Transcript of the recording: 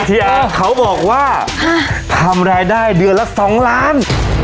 เชียร์เขาบอกว่าทำรายได้เดือนละ๒ล้าน